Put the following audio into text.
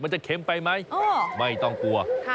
จะเข็มไปไหมไม่ต้องกลัว